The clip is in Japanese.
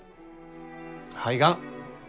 肺がん。